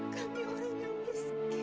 kami orang yang miskin